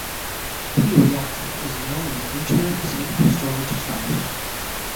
B Reactor is now in "interim safe storage" status.